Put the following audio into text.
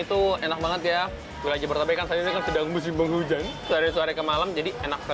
tuh enak banget ya belanja bertabekan sedang musim hujan sehari sehari kemalam jadi enak